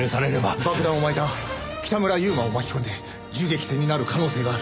爆弾を巻いた北村悠馬を巻き込んで銃撃戦になる可能性がある。